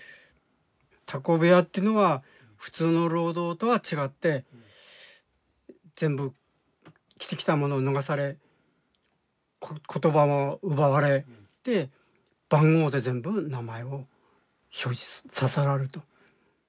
タコ部屋というのは普通の労働とは違って全部着てきたものを脱がされ言葉も奪われて番号で全部名前を表示させられると。